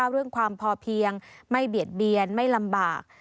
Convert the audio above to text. เรื่องความพอเพียงไม่เบียดเบียนไม่ลำบาก